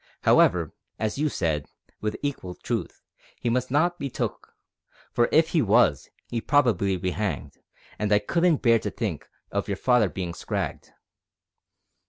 However, as you said, with equal truth, he must not be took, for if he was, he'd probably be hanged, and I couldn't bear to think of your father bein' scragged.